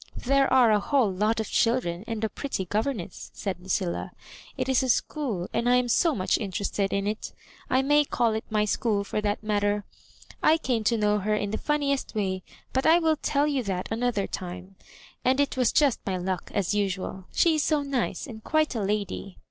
"There are a whole lot of children and a pret ty governess," said Lucilla. " It is a school, and I am so much interested in it. I may call it my school, for that matter. I came to know her in the funniest way ; but I will tell you that an other time. And it was just my luck, as usual She is so nice, and quite a lady.